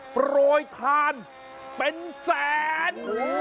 โปรยทานเป็นแสน